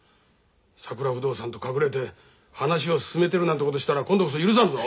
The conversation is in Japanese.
さくら不動産と隠れて話を進めてるなんてことしたら今度こそ許さんぞ！